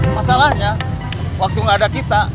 masalahnya waktu nggak ada kita